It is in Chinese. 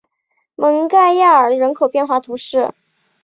蒙盖亚尔人口变化图示